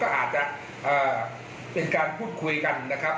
อาจจะเป็นการพูดคุยกันนะครับ